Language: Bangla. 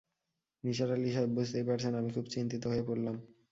নিসার আলি সাহেব, বুঝতেই পারছেন, আমি খুব চিন্তিত হয়ে পড়লাম।